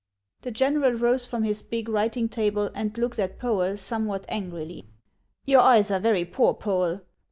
The general rose from his big writing table, and looked at Poel somewhat angrily. " Your eyes are very poor, Poel.